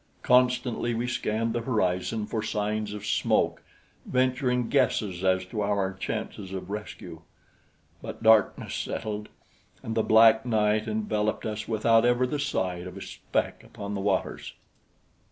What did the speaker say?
Constantly we scanned the horizon for signs of smoke, venturing guesses as to our chances of rescue; but darkness settled, and the black night enveloped us without ever the sight of a speck upon the waters.